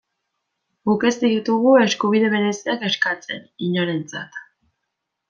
Guk ez ditugu eskubide bereziak eskatzen, inorentzat.